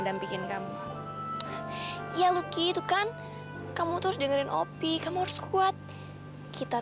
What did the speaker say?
sampai jumpa di video selanjutnya